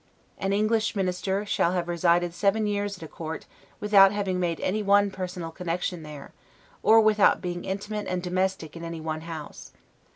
An English minister shall have resided seven years at a court, without having made any one personal connection there, or without being intimate and domestic in any one house.